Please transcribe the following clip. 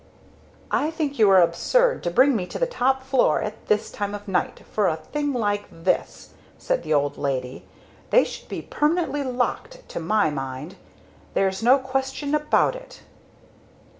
"I think you are absurd to bring me to the top floor, at this time of night, for a thing like this!" said the old lady. "They should be permanently locked, to my mind! There's no question about it."